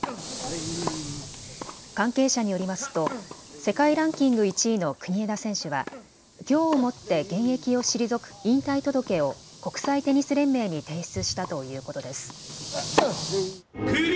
関係者によりますと世界ランキング１位の国枝選手はきょうをもって現役を退く引退届を国際テニス連盟に提出したということです。